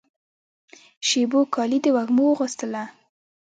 شېبو کالي د وږمو واغوستله